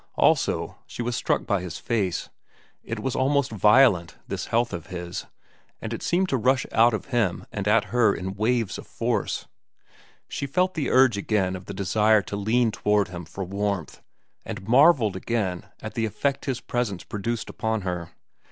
Also, she was struck by his face. It was almost violent, this health of his, and it seemed to rush out of him and at her in waves of force. She felt the urge again of the desire to lean toward him for warmth, and marvelled again at the effect his presence produced upon her.